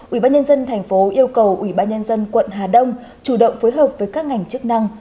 ubnd tp yêu cầu ubnd quận hà đông chủ động phối hợp với các ngành chức năng